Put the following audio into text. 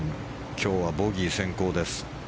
今日はボギー先行です。